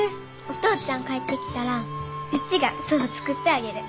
お父ちゃん帰ってきたらうちがそば作ってあげる！